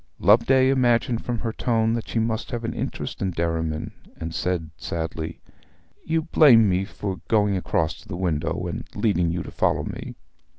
Loveday imagined from her tone that she must have an interest in Derriman, and said sadly, 'You blame me for going across to the window, and leading you to follow me.'